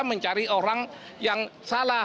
mencari orang yang salah